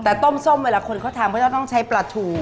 แต่ต้มส้มเวลาคนเขาทำเขาจะต้องใช้ปลาทู